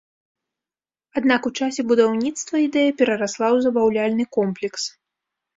Аднак у часе будаўніцтва ідэя перарасла ў забаўляльны комплекс.